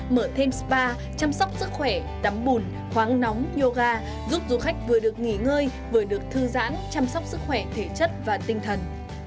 mở thêm spa chăm sóc sức khỏe đắm bùn khoáng nóng yoga giúp du khách vừa được nghỉ ngơi vừa được thư giãn chăm sóc sức khỏe thể chất và tinh thần